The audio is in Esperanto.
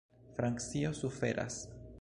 Francio suferas.